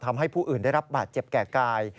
ทำให้ผู้อื่นได้รับบาดเจ็บแก่กาย